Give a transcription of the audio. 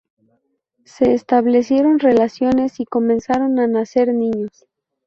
Se establecieron relaciones y comenzaron a nacer niños.